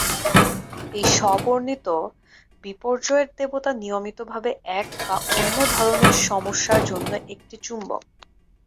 এই স্ব-বর্ণিত "বিপর্যয়ের দেবতা" নিয়মিতভাবে এক বা অন্য ধরণের সমস্যার জন্য একটি চুম্বক।